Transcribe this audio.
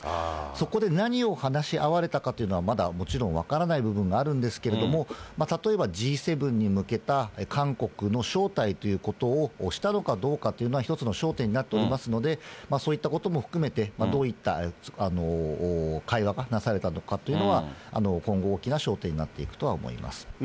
そこで何を話し合われたかというのは、まだもちろん分からない部分があるんですけれども、例えばＧ７に向けた韓国の招待ということをしたのかどうかというのが、一つの焦点になっておりますので、そういったことも含めて、どういった会話がなされたのかというのは、今後、大きな焦点になっていくとは思います。